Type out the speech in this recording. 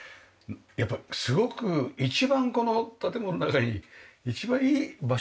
やっぱすごく一番この建物の中に一番いい場所にあるのかな？